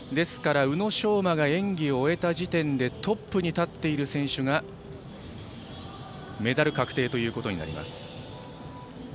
宇野昌磨が演技を終えた時点でトップに立っている選手がメダル確定となります。